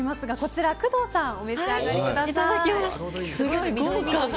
工藤さんお召し上がりください。